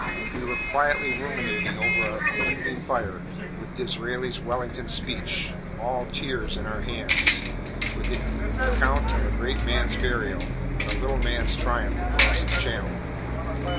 We were quietly ruminating over our evening fire, with Disraeli's Wellington speech, "all tears," in our hands, with the account of a great man's burial, and a little man's triumph across the channel.